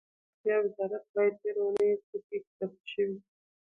د عامې روغتیا وزارت وایي تېره اوونۍ څه پېښې ثبت شوې دي.